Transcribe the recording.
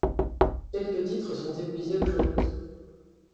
Quelques titres sont épuisés aujourd'hui.